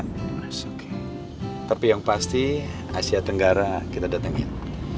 it's okay tapi yang pasti asia tenggara kita datangin